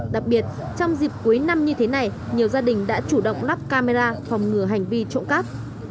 đặc biệt trong dịp cuối năm như thế này nhiều gia đình đã chủ động lắp camera phòng ngừa hành vi trộm cắp